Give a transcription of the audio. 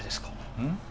うん？